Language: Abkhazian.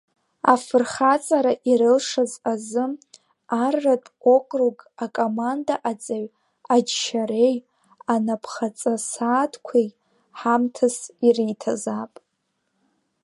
Афырхаҵара ирылшаз азы арратә округ акомандаҟаҵаҩ аџьшьареи анапхаҵа сааҭқәеи ҳамҭас ириҭазаап.